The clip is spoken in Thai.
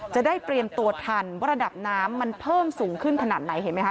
จะได้เตรียมตัวทันว่าระดับน้ำมันเพิ่มสูงขึ้นขนาดไหนเห็นไหมคะ